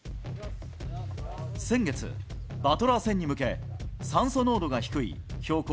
先月、バトラー戦に向け、酸素濃度が低い標高